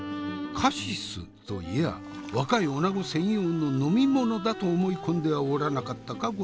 カシスといやぁ若い女子専用の飲み物だと思い込んではおらなかったか？